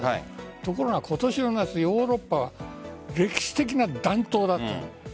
ところが今年、ヨーロッパは歴史的な暖冬だった。